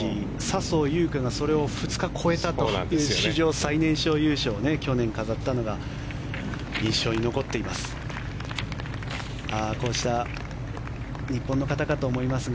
笹生優花がそれを２日超えたという史上最年少優勝を去年飾ったのが印象に残っています。